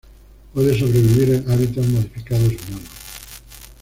Puede sobrevivir en hábitats modificados humanos.